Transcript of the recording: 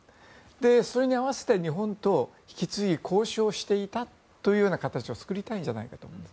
それに合わせて日本と引き続き交渉していたという形を作りたいんじゃないかと思います。